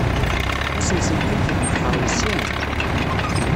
Tasenselkimt d lebḥer wessiɛen.